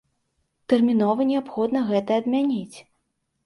Тэрмінова неабходна гэта адмяніць!